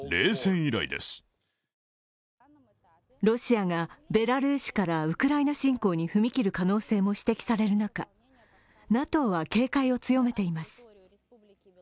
ロシアがベラルーシからウクライナ侵攻に踏み切る可能性も指摘される中、ＮＡＴＯは警戒を強めています。